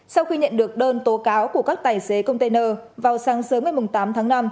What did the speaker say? sau khi nhận được đơn tố cáo của các tài xế container vào sáng sớm ngày tám tháng năm